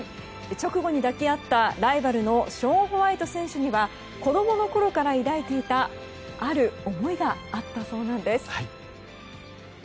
直後に抱き合ったライバルのショーン・ホワイト選手には子供のころから抱いていたある思いがあったそうなんです。